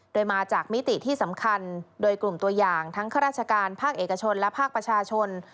โดยมาจากมิติที่สำคัญโดยกลุ่มตัวอย่างทั้งข้าราชการภาคเอกชนและภาคประชาชน